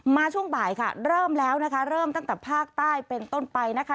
ช่วงบ่ายค่ะเริ่มแล้วนะคะเริ่มตั้งแต่ภาคใต้เป็นต้นไปนะคะ